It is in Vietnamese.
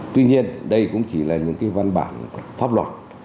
tuy nhiên đây cũng chỉ là những cái văn bản pháp luật